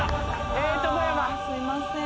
あすいません。